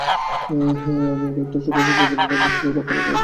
আর একেকটা ছোট ছোট স্পন্দন দুমড়ে মুচড়ে লক্ষ লক্ষ ছোট স্পন্দনে পরিণত হচ্ছে।